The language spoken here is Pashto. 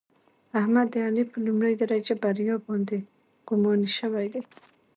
احمد د علي په لومړۍ درجه بریا باندې ګماني شوی دی.